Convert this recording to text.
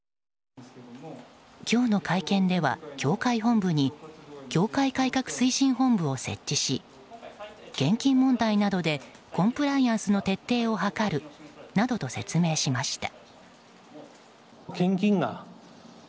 今日の会見では、教会本部に教会改革推進本部を設置し献金問題などでコンプライアンスの徹底を図るなどと説明しました。